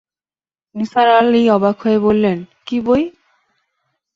নিসার আলি অবাক হয়ে বললেন, কী বই?